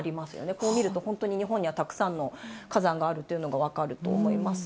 こう見ると、本当に日本にはたくさんの火山があるというのが分かると思います。